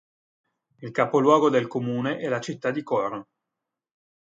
Il capoluogo del comune è la città di Coro.